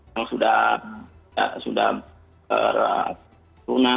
yang sudah berada